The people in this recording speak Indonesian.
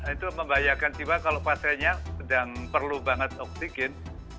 itu membahayakan jiwa kalau pasiennya sedang perlu banget oksigen